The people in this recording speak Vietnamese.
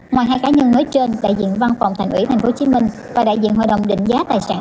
ngoài hai cá nhân mới trên đại diện văn phòng thành ủy tp hcm và đại diện hội đồng định giá tài sản